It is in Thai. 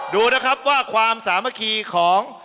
ดูนะครับว่าความสามัคคีของ